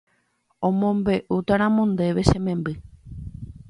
amombe'útaramo ndéve che memby